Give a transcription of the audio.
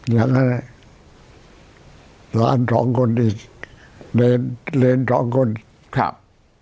อย่างเนี้ยหลานสองคนอีกแรนแรนสองคนครับ